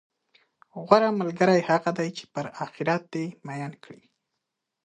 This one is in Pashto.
غوره ملګری هغه دی، چې پر اخرت دې میین کړي،